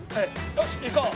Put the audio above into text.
よし行こう。